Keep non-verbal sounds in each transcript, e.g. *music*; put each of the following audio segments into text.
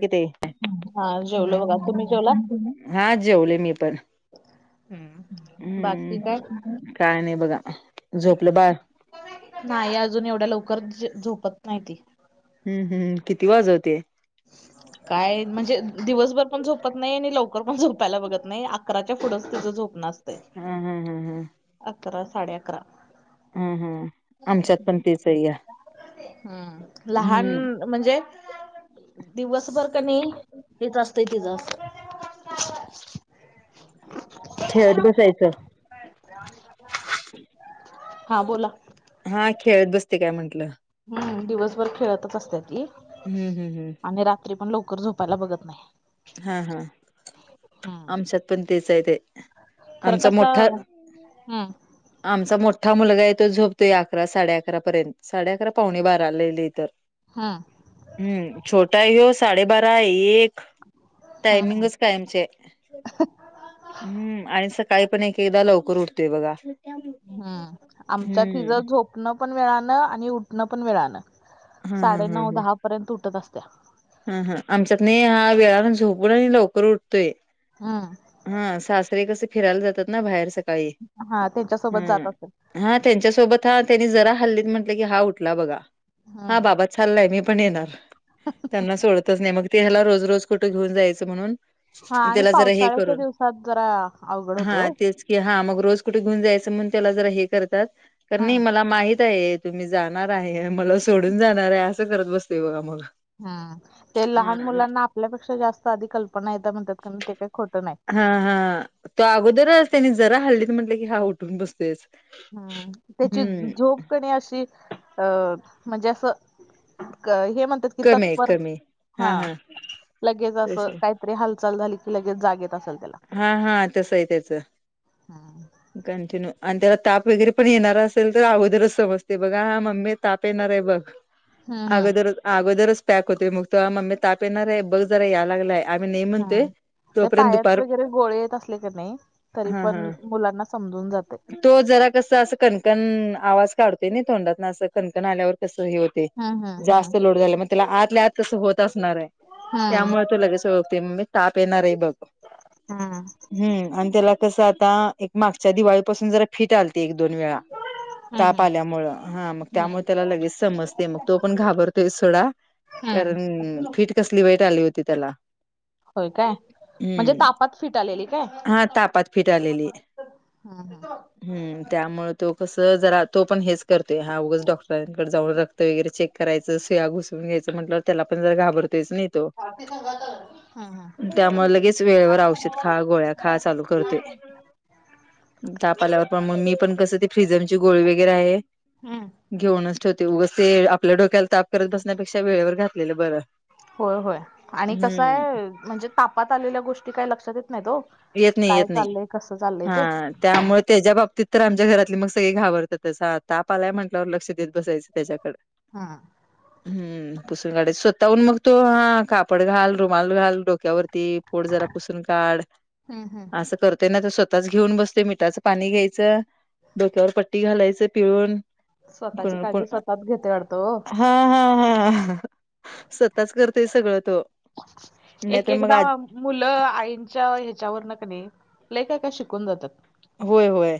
कि ते हा जेवलो बघा तुम्ही जेवला हा जेवले मी पण हम् बाकी हम्म काय काय नाही बघा झोपलं बाळ नाही अजून एवढ्या लवकर झोपत नाहीती हम्म हम्म किती वाज वते अ् काय म्हणजे दिवसभर पण झोपत नाही आणि लवकर पण झोपायला बघत नाही अकराच्या पुढंच तिचं झोपणं असंतय हा हा हां अकरा साडे अकरा हम् हम आमच्यात पण तेीच आहे या हम्म लहान हम्म म्हणजे दिवसभर कनी हेच असतंय तिचं खेळत बसायचं हा बोला हा खेळत बसते काय म्हंटलं हम्म दिवसभर खेळतच असते ती हम्म हम्म हम्म आणि पण लवकर झोपायला बघत नाही हा हा हम्म आमच्यात पण तेच आहे ते आमचा मोठा हम आमचा मोठा मुलगा आहे तो झोपतोय अकरा साडे अकरापर्यंत साडे अकरा पावणे बारा लय लय तर हा हम्म छोटा ह हो साडेबारा एक हम्म टायमिंगच टामचे हम्म आणि सकाळी पण एक एकदा लवकर उठतोय बघा ए. हम्म आमच्यात हिच झोप. उठणं पण वेळाानं आणि उठणं पण वेळाानं हा हा साडे हा नऊ ह दहा पर्यंत उठत असत्या. हा हा आमच्यातने हा वेळान झोपूनही लवकर उठतोय हम हा सासरे कस फिरायला जातात ना बाहेर सकाळी हा त्यांच्यासोबत जात असेल हम्म हा त्यांच्यासोबत हा त्यांनी जरा हल्लीत म्हटलं की हा उठला बघा हा हम्म बाबा चाललाय मी पण येणार त्यांना सोडतच नाही मग ते ह्याला रोज रोज कुठं घेऊन जायचं म्हणून हा आणि त्याला जरा हे पावसाळ्याच्या करून दिवसात जरा अवघड होतंय हा हो तेच की हा मग रोज कुठे घुऊन जायचं म्हणून त्याला जरा हे करतात तर नाही हम्म मला माहित आहे तुम्ही जाणार आहे मला सोडून जाणार आहे असं करत बसतेय बघा मग हम्म ते लहान अ मुलांना आपल्यापेक्षा जास्त आधी कल्पना येत म्हणात कारण ते काही खोटं नाही हा हा तो अगोदरच त्यांनी जरा हलली तर म्हटलं की हा उठून बसतेस हम्म त्याची झोप कणी अशी. अ म्हणजे असं हे म्हणतात. कमी आहे तत्पर कमी आहे. हा लगेच अस तसं काही. तरी हालचाल झाली की लगेच जागेत असेल त्याला. हा हा तस आहे त्याच. हा.. कंटिन्यू आणि त्याला ताप वगैरे पण येणार असेल तर अगोदरच समजते बघा हा मम्मी ताप येणार आहे बघ. हम्म हम्म आगोदर आगोदरच पॅक होत मुगतव मममी तापेन रे बघ जर यालगलाय. आम्ही नाही हा म्हणते तर तोपर्यंत पायात दुपार. वगैरे गोळे येत असले की नाही तरी हा हा पण मुलांना समजून जाते. तो जरा कस असं कणकण आवाज काढतोय ना तोंडातना अस कणकण आल्यावर कसं हे होत. ते हम्म हम्म जास्त लोड झाला मग त्याला आतल्या आत तसं होत असणार आहे. हम्म त्यामुळे तू लगेच ओळते मी ताप येणार आहे बघ. हा.. हम्म आणि त्याला कसं आता एक मागच्या दिवाळीपासून जरा फिट आलते एक दोन वेळा. हो. ताप आल्यामुळेळ हा मग त्यामुळे त्याला लगेच समजते मग तो पण घाबरतोय सडा. हम्म कारण फिट कसली वाईट आली होती त्याला. होय काय म्हणजे हम्म ता. पत फिट आलेली काय. हा तापात हम् त्यामुळे तो कस जरा तो पण हेच करतोय हा उगच डॉक्टरांकडे जाऊनतो. वगैरे चेक करायचं सुया घुसून घ्यायचं म्हटलं त्याला पण जर घबरतोयच नाही तो. अ त्यामुळे लगेच वेळेवर घ. औषध खा गोळ्या खा चालू करते. तापा आल्यावर पण मग मी पण कसं ते फिजमची गोळी वगैरे आहे. हम्. घेऊनच ठेवते उगच ते आपल्या डोक्याला ताप करत बसण्यापेक्षा वेळेवर घातलेलं बरं. होय होय आणि कसं हम्म आहे म्हणजे तापात आलेल्या गोष्टी काय लक्षात येत नाही तो. येत नाही येत नाही हा. त्यामुळे त्याच्या बाबतीत तर आमच्या घरातली मग सगळी घाबरतातसताापाला म्हटल्यावर लक्ष देत बसायचं त्याच्याकडे. हा. हम्म. पुसून गाडी स्वतःहून मग तो हा कापड घाल रुमाल घाल डोक्यावरती पोड जरा. पुसून काढ. हम्म हम्म. करते ना स्वतःच घेऊन बसते मिठाच पाणी घ्यायचं डोक्यावर पट्टी घालायच पिळून. स्वतःची कोण कोण काळजी स्वतःच घेते वाढतो ओ. हा हा हा स्वतःच करतोय सगळ तो. एक नाहीतर मग एकदा. आ मुलं आईंच्या ह्याच्यावर न क नाही ल काय काय शिकून जातात. होय होय.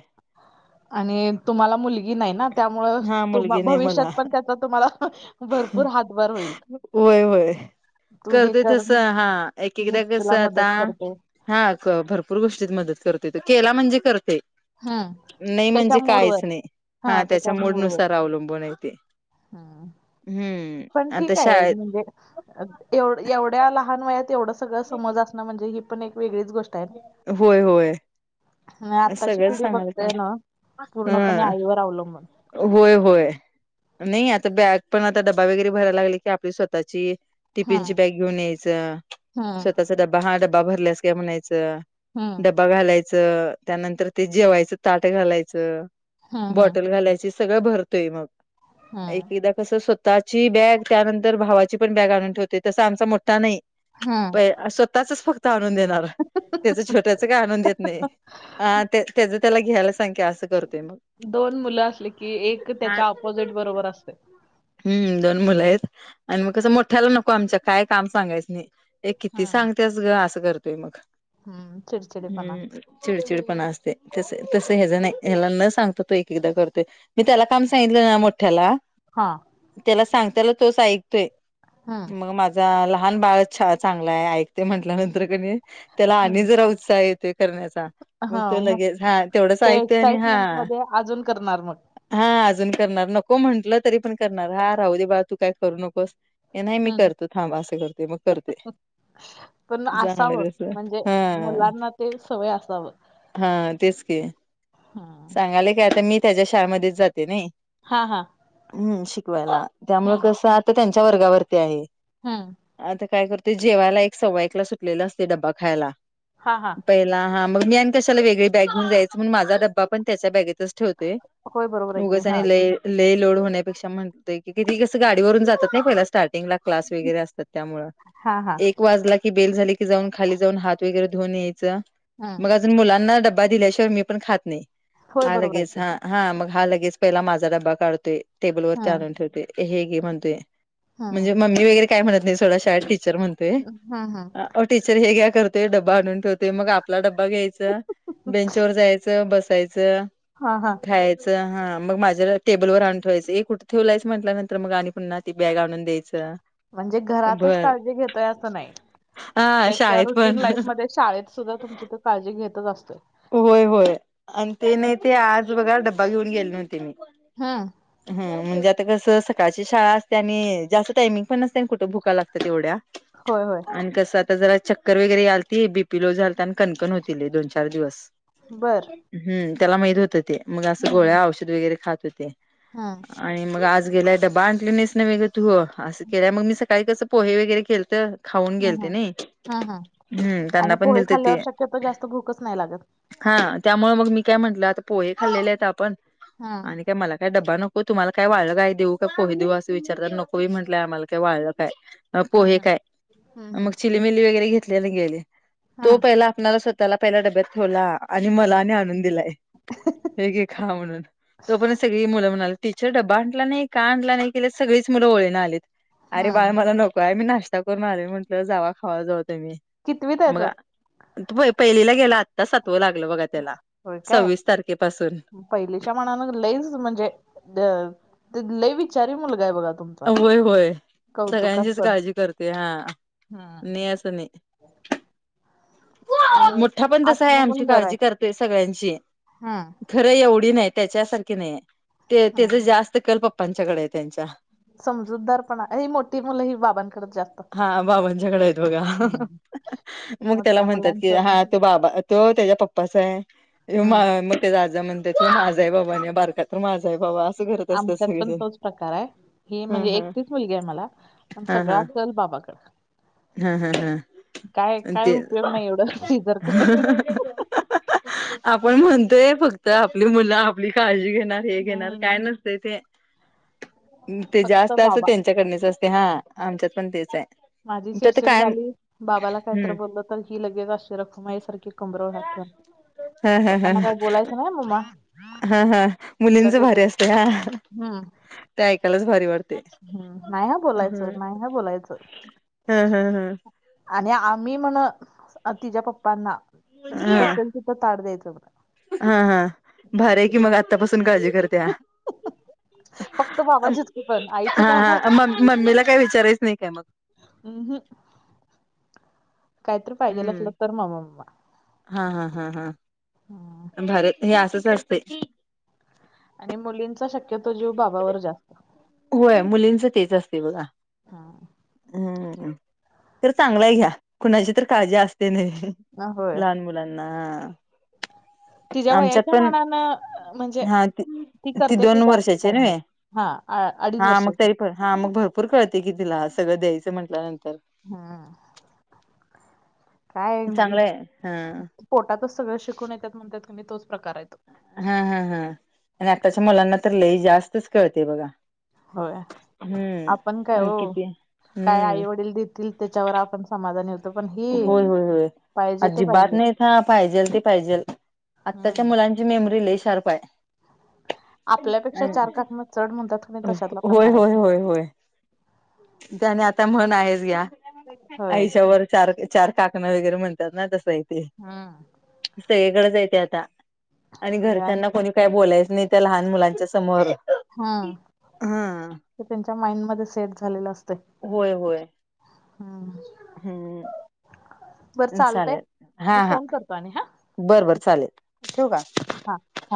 आणि तुम्हाला मुलगी नाही ना त्यामुळ हा तु मुलगी नाही भविष्यात मला पण त्याचा तुम्हाला. भरपूर हातभार होईल होय होय. तू हे करतेय कर तसं हा एक मी एकदा कस तुला आता. मदत करतो हा भरपूर गोष्टीत मदत करते त केला म्हणजे करते. हम्म नाही त्याच्या म्हणजे काहीच मूडवर नाही हा त्याच्या मोडनुसार अवलंबून आहे. ते हम. हम्म. पण आता ठीक आहे शाळेत म्हणजे ए एवढ्या लहान वयात एवढं. सग समज असण म्हजे ही पण एक वेगळीच गोष्ट. आहे ना होय होय. आणि आत्ताची सगळं पिढी सांगाल का बघतय ना पूर्णपणे ह. आईवर अवलंबून होय होय नाही आता बॅग पण आता डबा वगैरे भरायला लागली की आपली स्वतःची. टिफिनची हम्म बॅग घेऊन यायचं हम्म स्वतःचा डब्बा हा डब्बा भरलास काय म्हणायचं. हम्म डब्बा घालायचं त्यानंतर ते जेवायचं ताट घालायचं. हम्म हम्म बॉटल घालायची सगळं भरतोय मग हम्म एक ईदा कसं स्वतःची बॅग त्यानंतर भावाची पण बॅग आणून ठेवते तस आमचा मोठा नाही. हां. स्वतःचच फक्त आणून देणार त्याच छोट्याच काही आणून देत नाही. अ ते त्याच त्याला घ्यायला संख्या की आसं दोन मुलं असली की एक हा त्याच्या आपोजिट बरोबर अस हम्म दोन मुलं आहेत आणि मग कसं मोठ्याला नको आमच्या काय काम सांगायचं नाही. ए किती हम्म सांगतेस ग असं करतोय मग. हम्म चिडचिडपणा. हम्म चिडचिडपणा असतय तस तस ह्याज नाही ह्याला न सांगता तो एक एकदा करतोय. मी त्याला काम सांगितलं ना मोठ्याला हां. त्याला सांगताला तोच ऐकतोय हम्म मग माझ अं लहान बाळच छ चांगला आहे ऐकते म्हटल्यानंतर कणई त्याला आणि हम्म जरा उत्साह येतोय करण्याचा मग तो लगेच हा तेवढाच ते ऐकतोय आणि हा. एक्साइटमेंट मध्ये अजून करणार मग. हा अजून करणार नको म्हंटलं तरी पण करणार हा राहू दे बाळ तू काय करू नकोस. ये नाही मी हम्म करतो थांब असं करतय मग करतय. पण असावं म्हणजे हा मुलांना ते सवय असावं. हा तेच की. हम्म सांगालय की आता मी त्याच्या शाळेमध्येच जाते नाही. हा हा. हम्म शिकवायला त्यामुळे हम्म कसं आता त्यांच्या वर्गावरती आहे. हम्म आता काय करतय जेवायला एक सव्वाईकला सुटलेला असते डब्बा खायला. हा हा. पहिला हा मग मी आणि कशाला वेगळी बॅग घेवून जायचं म्हणून माझा डब्वा पण त्याच्या बॅगेतच ठेवते होय बरोबर आहे की उगच हा आणि लय ले लोड होण्यापेक्षा म्हणतय की किती कसं गाडीवरून जात नाही पहिला स्टार्टिंगला क्लास वगैरे असतात त्यामुळ हा हा एक वाजला की बेल झाली की जाऊन खाली जाऊन हात वैगरेधुऊन यायचं हम्म मग अ मुलांना ड्बा दिल्याशिवाय मी पण खात नाही. होय हा बरोबर आहे लगेच की हा हा मग हा लगेच पहिला माझा ड्बा काढतोय टेबल वरती हम्म आणून ठेवतेो. हे गे म्हणतय म्हणजे हम्म मम्मी वगरे काय म्हणत नाही सथोडा शाळेत ट तर म्हणतय हम्म हम्म टीचर हे घ्या करतोय डब्बा आणून ठेवतोय मग आपला डबा घ्यायचं बेंचवर जायचं बस *unintelligible* हा हा हा मग माझ्या टेबलवर आणुन ठेवायचं ए कुठे ठेवलायच म्हटल्यानंतर मग आणि पुन्हा ती बॅग आणून द्यायचं. म्हणजे घरातच बर काळजी घेतोय असं नाही. हा त्याच्या शाळेत पण रुटीन लाईफ मध्ये शाळेत सुद्धा तुमची तो काळजी घेतच असतोय. होय होय आणि ते नाही ते आज बघा डब्बा घेऊन गेले नव्हते मी. हम्म. ह म्हणजे आता कसं सकाळची शाळा असते आणि जास्त टायमिंग पण नसते आणि कुठं भुका लागतात येवढ्या. होय होय. आणि कसं आता जरा चक्कर वगैरे याल त बीपी लो झालता आणि कणकण होती लय दोन चार दिवस. बरं. हम्म त्याला माहीत होतं ते मग असं गोळ्या औषध वगैरे खात होते. हम्म. आणि मग आज गेलाय डबा आणले नाहीस ना वगं तू असं केय मग मी सग सकाळी कसं पोहे वगैरे खेलत खाऊन गेलते ना हम्म त्यांना पण दिलत ते ते जास्त भूकच नाही लागत हा त्यामुळे मग मी काय म्हटलं आता पोहे खाल्लेले आहेत आपण हं आणि काय मला काय डब्बा नको. हो तुम्हाला काय वाढलं काय देऊ काय पोहे देऊ असं विचारत नकोी म्हटलंय आम्हाला काय वाढलं काय? पोहे हं काय मग हं चिलीमिली वगैरे घेतलेले गेले तो पहिला आपल्याला त्याला पहिला डब्यात ठेवला आणि मला आणि आण दिलाय व खा म्हणून तो पण सगळी मुलं म्हणाली. टीचर डबबा आणला नाही का आणला नाही के सगळीच मुलं ळना आलेत अरे बाळ हं मला नको आहे मी नाशत. आता करून आले म्हंटलं जावा खावा जाऊ तही कितवीत आहे मग तो? पहिलीला गेला. आता सत्व लागलं बघा त्याला होय काय सव्वीस तारखेपासून पहिलीच्या मनान लच म्हणजे ते लय विचारी मुलगा आहे बघा तु. होय होय सगळ्यांचीच काळजी करते हा हम्म. नाही असं नाही. आणि मोठा पण तसा आहे असणं आमची पण बरं आहे. काळजी करतोय सगळ्यांची. हम्म खरं एवढी नाही त्याच्यासारखी नाही ते त्याच हम्म. जास्त कल पप्पांच्याकडे आहे त्यांच्या समजूतदार पणा ह मोठी मुलं ही बाबांकडेच जास्त असत हा बाबांच्याकडे आहेत बघा. हम्. मग त्याला म्हणतात की हा तो बाबा तो त्याच्या पप्पाचा आहे. हम्म मग ते आझा म्हणतात ते माझाही बाबा आणि बारकात माझाही बाबा असं घरत असतात आमच्यात पण सगळेजण. तोच प्रकार आहे ही हा म्हणजे हा एकटीच मुलगी आहे मला पण हा सगळा हा चल बाबाकड. हा हा हा काय आणि काय ते उपयोग नाही एवढं सि जर करून. आपण म्हणतोय फक्त आपली मुलं आपली काळजी घेणार. हे घेणार काही हम्म नसतं ते फक्त जास्त अस बाबा त्यांचं. त्याच्याकडच असते हा आमच्यात पण तेच आहे. माझी तर ते सिडसिड कायम झाली बाबाला काहीत हम्म बोललं तर ही लगेच अस खुमाई सारखी कमर हठ हा हा हा प्ांना काही बोलायचं नाही म्मा हा हा मुलींच भारी असते हा हम्म ते ऐकायलाच भारी वाटते. हम्म नाही ह्या बोलायचं नाही ह्या बोलायचं. हम् हम हम आणि आम्ही म्हण तिच्या पप्पांना हा बसेल तिथं ताड द्यायचं. हा हा भार असं आहे की तिचं. मग आतापासून काळजी करते. फक्त बाबाचीच की पण आईचं हा काय आहे? हा म मम्मीला काय विचारायच नाही काय मग ह ह. काहीतरी पाहिजेल असलं हम्म तर मामा म्मा. हा हा हा हा भारत हे असंच असते. आणि मुलींचा शक्यतो जीव बाबावर जास्त होय मुलींच तेच असते बघा हम्. तर चांगलाय घ्या कुणाची तर काळजी असते नाही हा होय लहान मुलांना तिच्या्या आमच्यात वयाच्या पण मानानं म्हणजे हा ती करते ते दोन जास्त वर्षाची काय आहे म्हणत. नव्हे हा अडीच हा मग वर्षाचा तरी हा मग भरपूर कळते की तिला सगळं द्यायचं म्हटल्यानंतर हा. काय चांगलंय हा पोटातच सगळं शिकून येतात म्हणतात की तोच प्रकार आहे तो हा हा हा आणि आत्ताच्या मुलांना तर लई जास्तच कळते बघा. हो आपण काय हम्म हो किती काय हम्म आई वडील त त्याच्यावर आपण समाधान हो. होय होय होय अजिबात पाहिजे नाही ह पाहिजेल ते पाहिजेल आत्ताच्या हम्म मुलां तिची मेमरी लय शार्प आहे. *unintelligible* आपल्यापेक्षा चार काकम चड म्हणतात तु तशतला होय प्रकार आहेत. होय होय होय त्याने आता म्हण आहेच घ्या होय आयुष्यावर चार चार काकण वगैरे म्हणतात ना तसं इथे. हा. सगळीकडेच येत आता आणि सगळ्यां घरच्यांना कोणी काय बोलायचं नाही त्या लहान मुलांच्या समोर हम हा ते त्यांच्या माइंडमध्येध्ये सेट झालेलं असते. होय होय. हम्. हम्म चालतय चालेल मी हा हा. फोन करतो आणि हा बरं बर ठीक चालेल ठेव का? हा. हा